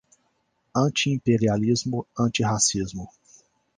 Anti-imperialismo, antirracismo